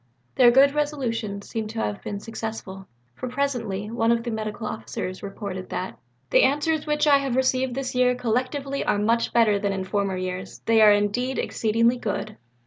Their good resolutions seem to have been successful, for presently one of the Medical Officers reported that "the answers which I have received this year collectively are much better than in former years, they are indeed exceedingly good."